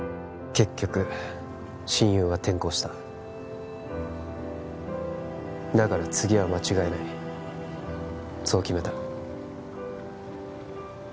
結局親友は転校しただから次は間違えないそう決めた